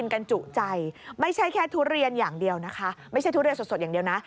จุใจไม่ใช่แค่ทุเรียนอย่างเดียวนะคะไม่ใช่ทุเรียนสดอย่างเดียวนะ